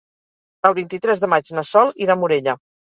El vint-i-tres de maig na Sol irà a Morella.